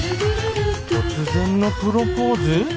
突然のプロポーズ？